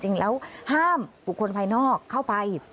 จริงแล้วห้ามบุคคลภายนอกเข้าไป